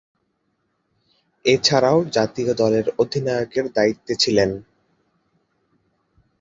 এছাড়াও জাতীয় দলের অধিনায়কের দায়িত্বে ছিলেন।